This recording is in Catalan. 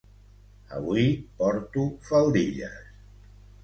Avui porto faldilles